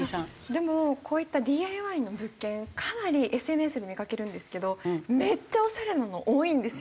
でもこういったＤＩＹの物件かなりＳＮＳで見かけるんですけどめっちゃオシャレなの多いんですよ。